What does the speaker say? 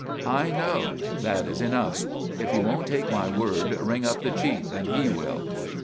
"I know. That is enough. If you won't take my word ring up the Chief and he will."